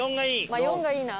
まあ「４」がいいな。